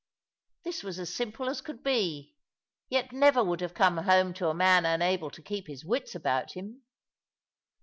This was as simple as could be, yet never would have come home to a man unable to keep his wits about him.